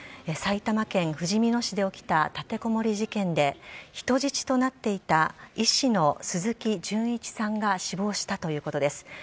埼玉県ふじみ野市で起きた立てこもり事件で人質となっていた医師のスズキ・ジュンイチさんが死亡したということです。